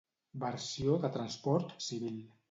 Versió de transport civil.